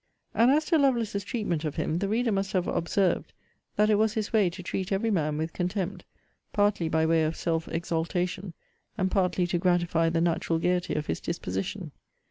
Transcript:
And as to Lovelace's treatment of him, the reader must have observed, that it was his way to treat every man with contempt, partly by way of self exaltation, and partly to gratify the natural gaiety of his disposition.